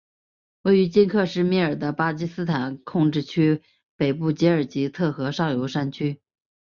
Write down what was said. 位于今克什米尔的巴基斯坦控制区北部吉尔吉特河上游山区。